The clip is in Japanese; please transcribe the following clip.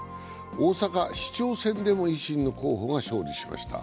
大阪市長選でも維新の候補が勝利しました。